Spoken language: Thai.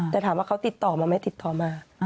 แต่ถามว่าเขาติดต่อมาไหมติดต่อมา